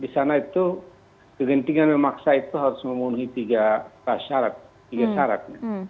di sana itu kegentingan yang memaksa itu harus memenuhi tiga syarat